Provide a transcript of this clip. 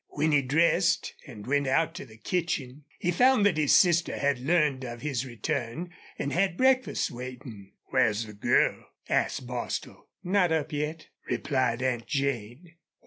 When he dressed and went out to the kitchen he found that his sister had learned of his return and had breakfast waiting. "Where's the girl?" asked Bostil. "Not up yet," replied Aunt Jane.